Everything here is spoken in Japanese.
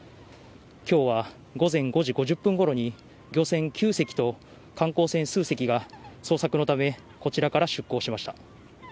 きょうは午前５時５０分ごろに、漁船９隻と観光船数隻が捜索のため、こちらから出航しました。